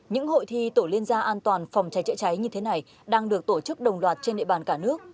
những hội thi tổ liên gia an toàn phòng cháy chữa cháy như thế này đang được tổ chức đồng loạt trên địa bàn cả nước